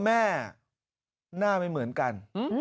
แม่หน้าไม่เหมือนกัน